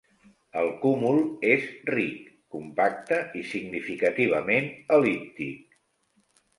El cúmul és ric, compacte, i significativament el·líptic.